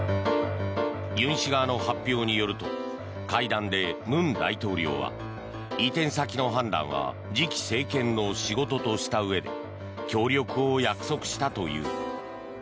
尹氏側の発表によると会談で文大統領は移転先の判断は次期政権の仕事としたうえで協力を約束したという。